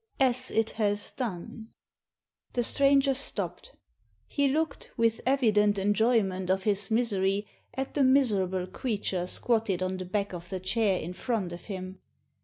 As it has done." The stranger stopped. He looked, with evident enjoyment of his misery, at the miserable creature squatted on the back of the chair in front of him.